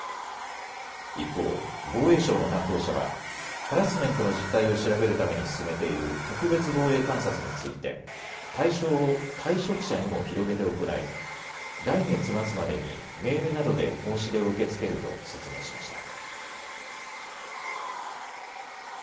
一方、防衛省の担当者は、ハラスメントの実態を調べるために進めている特別防衛監察について、対象を、退職者にも広げて行い、来月末までにメールなどで申し出を受け付けると説明しました。